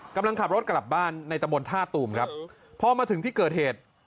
กำลังขับรถกลับบ้านในตะบนท่าตูมครับพอมาถึงที่เกิดเหตุ